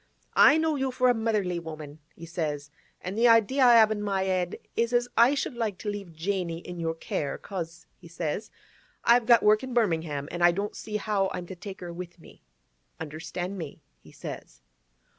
—"I know you for a motherly woman," he says, "an' the idea I have in my 'ed is as I should like to leave Janey in your care, 'cause," he says, "I've got work in Birmingham, an' I don't see how I'm to take her with me. Understand me?" he says.